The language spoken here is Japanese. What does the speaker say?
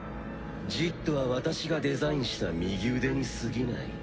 ジットは私がデザインした右腕にすぎない。